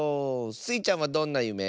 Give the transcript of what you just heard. スイちゃんはどんなゆめ？